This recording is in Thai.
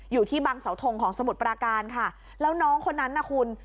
อยู่ที่บางเสาทงของสมุทรปราการค่ะแล้วน้องคนนั้นน่ะคุณ